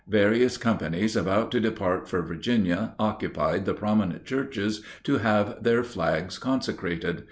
Various companies about to depart for Virginia occupied the prominent churches to have their flags consecrated.